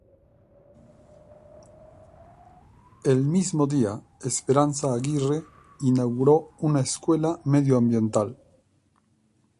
El mismo día Esperanza Aguirre inauguró una Escuela Medioambiental.